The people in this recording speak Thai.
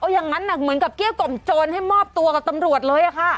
อย่างนั้นเหมือนกับเกลี้ยกล่อมโจรให้มอบตัวกับตำรวจเลยค่ะ